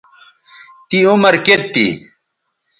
تیں عمر کیئت تھی